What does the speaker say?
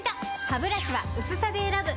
ハブラシは薄さで選ぶ！